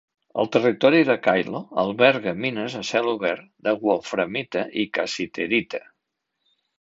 El territori de Kailo alberga mines a cel obert de wolframita i cassiterita.